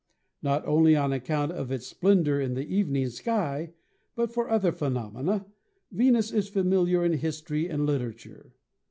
Not only on account of its splendor in the evening sky, but for other phenomena, Venus is familiar in history and literature.